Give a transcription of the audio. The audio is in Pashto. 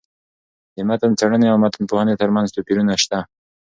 د متن څېړني او متن پوهني ترمنځ توپيرونه سته.